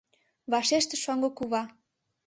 — вашештыш шоҥго кува.